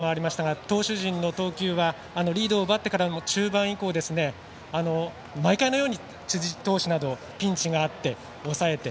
監督からもありましたが投手陣の投球はリードを奪ってからも中盤以降も毎回のように辻投手など、ピンチがあって抑えて。